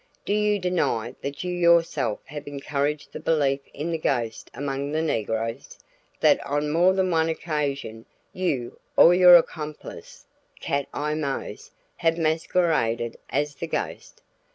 Do you deny that you yourself have encouraged the belief in the ghost among the negroes? That on more than one occasion, you, or your accomplice, Cat Eye Mose, have masqueraded as the ghost?